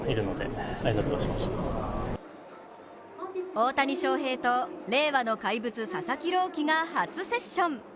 大谷翔平と令和の怪物・佐々木朗希が初セッション。